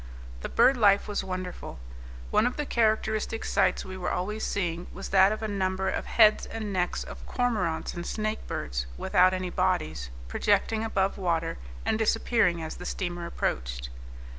The bird life was wonderful. One of the characteristic sights we were always seeing was that of a number of heads and necks of cormorants and snake birds, without any bodies, projecting above water, and disappearing as the steamer approached.